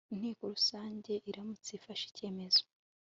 inteko rusange iramutse ifashe icyemezo